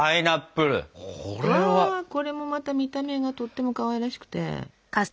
うわこれもまた見た目がとってもかわいらしくて。